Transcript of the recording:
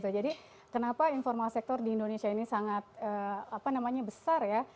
jadi kenapa informal sector di indonesia ini sangat besar ya